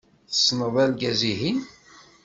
Tessneḍ argaz-ihin?